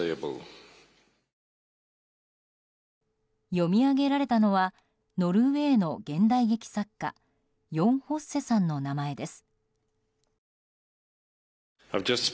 読み上げられたのはノルウェーの現代劇作家ヨン・フォッセさんの名前です。